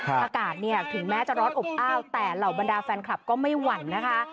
อากาศเนี่ยถึงแม้จะร้อนอบอ้าวแต่เหล่าบรรดาแฟนคลับก็ไม่หวั่นนะคะ